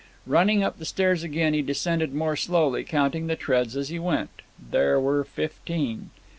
Running up the stairs again, he descended more slowly, counting the treads as he went. There were fifteen.